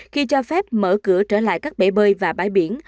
khi cho phép mở cửa trở lại các bể bơi và bãi biển